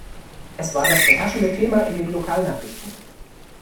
Es war das beherrschende Thema in den Lokalnachrichten.